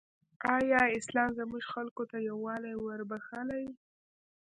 ایا اسلام زموږ خلکو ته یووالی وروباخښلی؟